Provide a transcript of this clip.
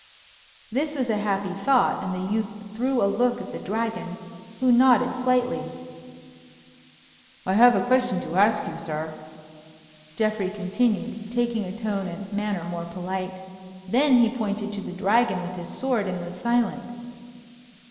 This was a happy thought, and the youth threw a look at the Dragon, who nodded slightly. "I have a question to ask you, sir," Geoffrey continued, taking a tone and manner more polite. Then he pointed to the Dragon with his sword, and was silent.